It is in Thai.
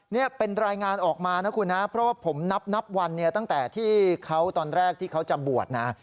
นี่เป็นรายงานออกมานะคุณนะเพราะว่าผมนับวันเนี่ยตั้งแต่ที่เขาตอนแรกที่เขาจะบวชนะ